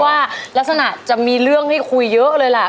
ว่าลักษณะจะมีเรื่องให้คุยเยอะเลยล่ะ